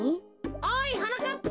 おいはなかっぱ。